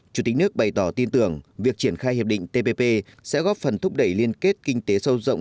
chủ tịch nước bày tỏ tin tưởng việc triển khai hiệp định tpp sẽ góp phần thúc đẩy liên kết kinh tế sâu rộng